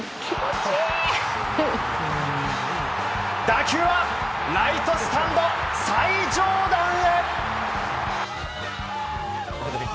打球はライトスタンド最上段へ！